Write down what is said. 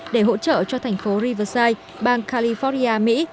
để hỗ trợ cho thành phố riversite bang california mỹ